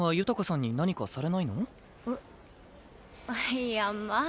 いやまあ